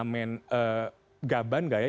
apakah termasuk dengan pengamen gaban